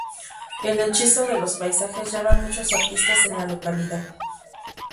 El hechizo de los paisajes llaman muchos artistas en la localidad.